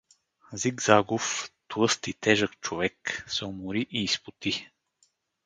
Зигзагов, тлъст и тежък човек, се умори и изпоти.